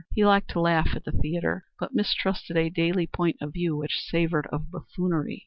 He liked to laugh at the theatre, but mistrusted a daily point of view which savored of buffoonery.